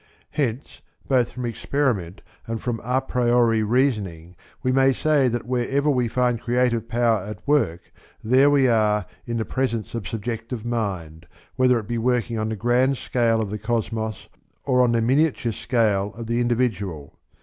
Hence, both from experiment and from a priori reasoning, we may say that where ever we find creative power at work there we are in the presence of subjective mind, whether it be working on the grand scale of the cosmos, or on the miniature scale of the individual.